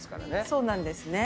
そうなんですね。